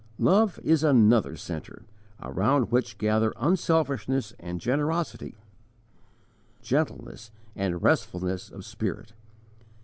Love is another centre, around which gather unselfishness and generosity, gentleness and restfulness of spirit.